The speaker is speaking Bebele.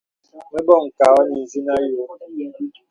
Mə̀ bɔŋ kà ɔ̄ɔ̄ nə ìzìnə àyɔ̄.